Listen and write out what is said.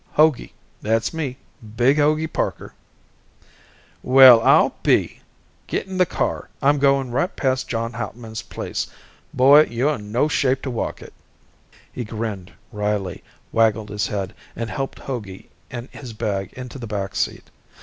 "Hogey, that's me. Big Hogey Parker." "Well, I'll be ! Get in the car. I'm going right past John Hauptman's place. Boy, you're in no shape to walk it." He grinned wryly, waggled his head, and helped Hogey and his bag into the back seat.